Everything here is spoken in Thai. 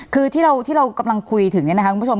คือที่เรากำลังคุยถึงเนี่ยนะคะคุณผู้ชม